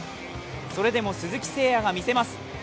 それでも鈴木誠也がみせます。